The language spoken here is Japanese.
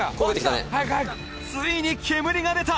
ついに煙が出た！